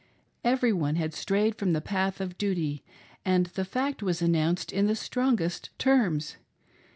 Every one had strayed from the path of duty, and the fact was announced in the strongest terms.